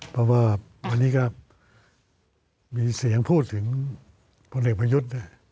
เพราะว่าวันนี้ก็มีเสียงพูดถึงพลเอกประยุทธ์